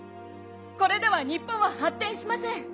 これでは日本は発展しません。